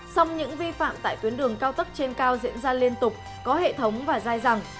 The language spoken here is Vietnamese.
xong những vi phạm tại tuyến đường cao tốc trên cao diễn ra liên tục có hệ thống và dai rằng